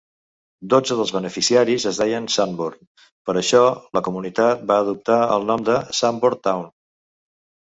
Dotze dels beneficiaris es deien Sanborn, per això, la comunitat va adoptar el nom de Sanborntown.